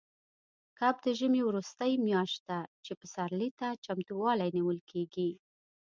کب د ژمي وروستۍ میاشت ده، چې پسرلي ته چمتووالی نیول کېږي.